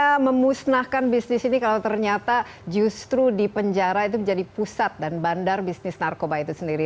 bagaimana memusnahkan bisnis ini kalau ternyata justru di penjara itu menjadi pusat dan bandar bisnis narkoba itu sendiri